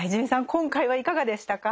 今回はいかがでしたか？